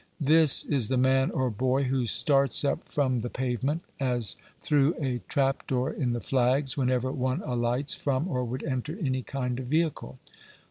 This is the man, or boy, who starts up from the pavement (as through a trap door in the flags) whenever one alights from or would enter any kind of vehicle.